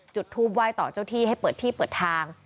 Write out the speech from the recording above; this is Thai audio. จุดทูปไหว้ต่อเจ้าที่ให้เปิดที่เปิดทาง